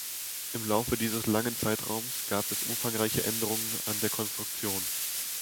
Im Laufe dieses langen Zeitraums gab es umfangreiche Änderungen an der Konstruktion.